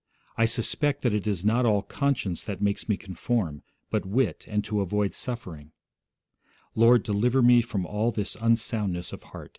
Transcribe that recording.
I suspect that it is not all conscience that makes me conform, but wit, and to avoid suffering; Lord, deliver me from all this unsoundness of heart.'